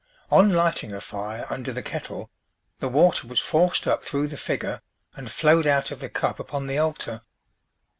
On lighting a fire under the kettle, the water was forced up through the figure, and flowed out of the cup upon the altar.